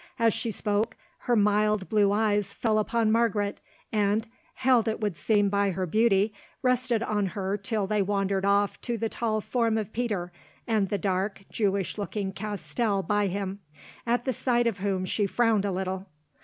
As she spoke, her mild blue eyes fell upon Margaret, and, held it would seem by her beauty, rested on her till they wandered off to the tall form of Peter and the dark, Jewish looking Castell by him, at the sight of whom she frowned a little.